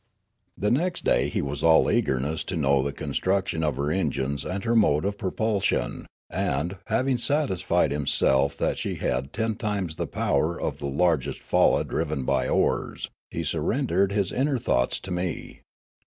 The next day he was all eagerness to know the con struction of her engines and her mode of propulsion ; and, having satisfied himself that she had ten times the power of the largest falla driven by oars, he sur rendered his inner thoughts to me.